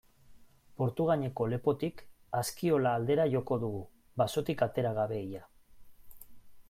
Portugaineko lepotik Askiola aldera joko dugu, basotik atera gabe ia.